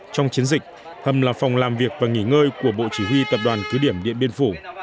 trong chiến dịch hầm là phòng làm việc và nghỉ ngơi của bộ chỉ huy tập đoàn cứ điểm điện biên phủ